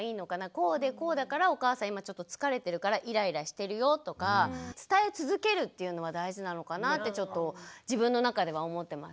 こうでこうだからお母さん今ちょっと疲れてるからイライラしてるよとか伝え続けるっていうのは大事なのかなってちょっと自分の中では思ってますね。